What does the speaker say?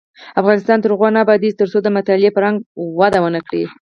افغانستان تر هغو نه ابادیږي، ترڅو د مطالعې فرهنګ وده ونه کړي.